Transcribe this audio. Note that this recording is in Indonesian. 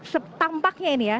setampaknya ini ya